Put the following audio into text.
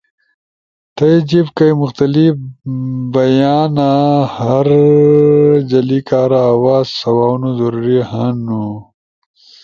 تھئی جیِب کئی مختلف بئیانا ہر جلی کارا آواز سواؤنو ضروری ہنو۔